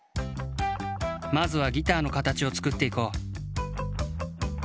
まずはギターのかたちをつくっていこう。